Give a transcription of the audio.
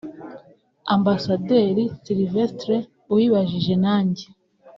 Ambassadeur Sylvestre Uwibajije nanjye